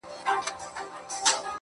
راته سور اور جوړ كړي تنور جوړ كړي_